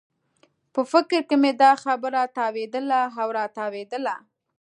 په فکر کې مې دا خبره تاوېدله او راتاوېدله.